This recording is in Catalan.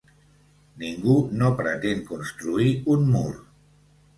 Ningú no pretén construir un mur.